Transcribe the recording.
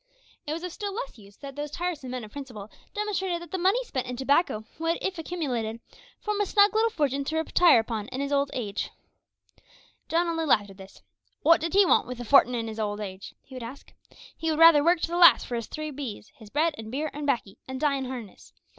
It was of still less use that those tiresome men of principle demonstrated that the money spent in tobacco would, if accumulated, form a snug little fortune to retire upon in his old age. John only laughed at this. "Wot did he want with a fortin in his old age," he would say; "he would rather work to the last for his three B's his bread and beer and baccy an' die in harness.